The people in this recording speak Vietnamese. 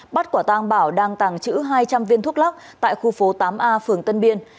bắt quả tàng bảo đăng tàng chữ hai trăm linh viên thuốc lắc tại khu phố tám a phường tân biên